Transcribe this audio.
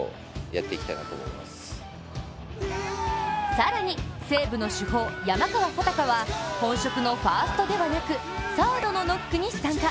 更に、西武の主砲・山川穂高は本職のファーストではなくサードのノックに参加。